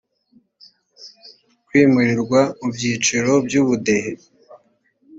kwimurirwa mu byiciro by ubudehe